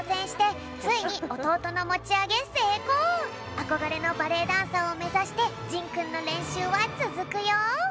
あこがれのバレエダンサーをめざしてじんくんのれんしゅうはつづくよ。